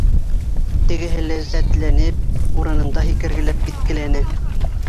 Тегеһе ләззәтләнеп, урынында һикергеләп киткеләне: